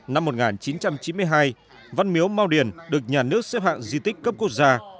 năm một nghìn chín trăm chín mươi hai văn miếu mau điền được nhà nước xếp hạng di tích cấp quốc gia